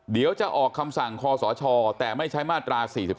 เดี๋ยวจะออกคำสั่งคอสชแต่ไม่ใช้มาตรา๔๔